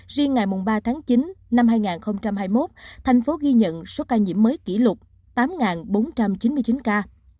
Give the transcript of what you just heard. riêng ngày ba tháng chín năm hai nghìn hai mươi một thành phố ghi nhận số ca nhiễm mới kỷ lục tám bốn trăm chín mươi chín ca